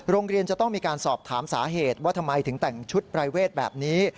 โรงเรียนจะต้องมีการสอบถามสาเหตุว่าทำไมถึงแต่งชุดปรายเวทแบบนี้